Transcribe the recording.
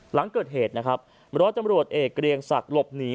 หลังเกิดเหตุนะครับร้อยตำรวจเอกเกรียงศักดิ์หลบหนี